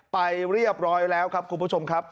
ไปเรียบร้อยแล้วครับคุณผู้ชมครับ